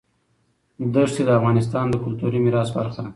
دښتې د افغانستان د کلتوري میراث برخه ده.